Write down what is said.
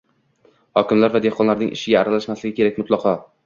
Hokimlar esa dehqonlarning ishiga aralashmasligi kerak, mutlaqo.